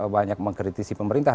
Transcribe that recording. banyak mengkritisi pemerintah